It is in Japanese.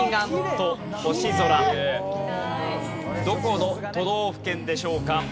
どこの都道府県でしょうか？